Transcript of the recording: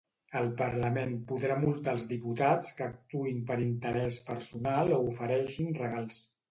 El parlament podrà multar els diputats que actuïn per interès personal o ofereixin regals.